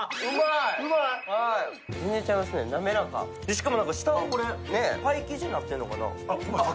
しかも下がパイ生地になってるのかな。